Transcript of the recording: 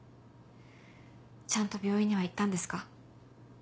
ちゃんと病院には行ったんですか？